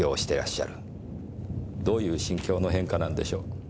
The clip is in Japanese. どういう心境の変化なんでしょう？